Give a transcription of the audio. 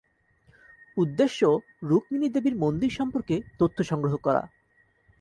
উদ্দেশ্য রুকমিনী দেবীর মন্দির সম্পর্কে তথ্য সংগ্রহ করা।